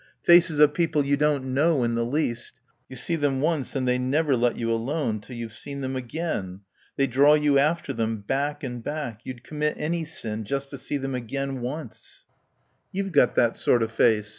Faces of people you don't know in the least. You see them once and they never let you alone till you've seen them again. They draw you after them, back and back. You'd commit any sin just to see them again once.... "... You've got that sort of face.